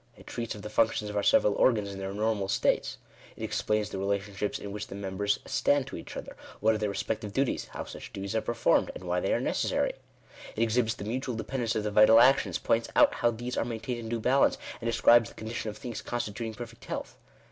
It treats of the functions of our several organs in their normal states. It explains the relation ships in which the members stand to each other — what are their respective duties — how such duties are performed, and why they are necessary. It exhibits the mutual dependence of the vital actions ; points out how these are maintained in due balance, and describes the condition of things constituting perfect health.